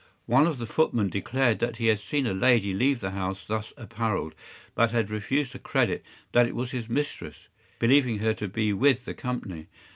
One of the footmen declared that he had seen a lady leave the house thus apparelled, but had refused to credit that it was his mistress, believing her to be with the company.